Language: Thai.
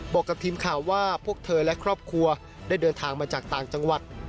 บอกกับทีมข่าวว่าพวกเธอและครอบครัวได้เดินทางมาจากต่างจังหวัด